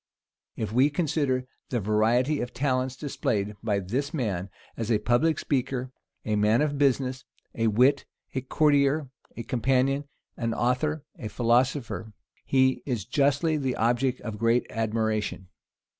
If we consider the variety of talents displayed by this man, as a public speaker, a man of business, a wit, a courtier, a companion, an author, a philosopher, he is justly the object of great admiration.